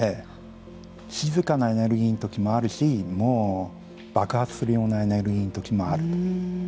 静かなエネルギーの時もあるし爆発するようなエネルギーの時もあると。